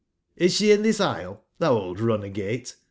"Is sbe in tbis Isle, tbou old runagate